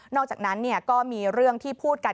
อกจากนั้นก็มีเรื่องที่พูดกัน